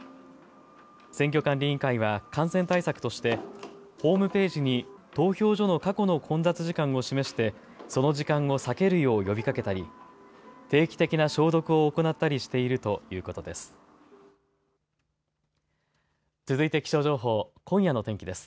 選挙管理委員会は感染対策としてホームページに投票所の過去の混雑時間を示してその時間を避けるよう呼びかけたり定期的な消毒を行ったりしているということです。